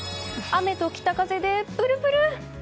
雨と北風でブルブル。